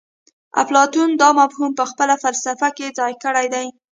اپلاتون دا مفهوم په خپله فلسفه کې ځای کړی دی